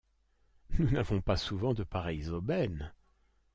Nous n’avons pas souvent de pareilles aubaines !